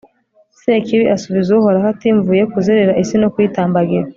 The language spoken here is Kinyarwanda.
sekibi asubiza uhoraho ati mvuye kuzerera isi no kuyitambagira